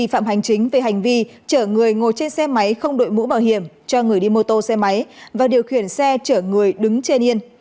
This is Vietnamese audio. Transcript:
hành chính về hành vi chở người ngồi trên xe máy không đội mũ bảo hiểm cho người đi mô tô xe máy và điều khiển xe chở người đứng trên yên